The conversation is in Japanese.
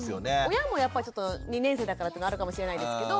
親もやっぱり２年生だからっていうのあるかもしれないですけど。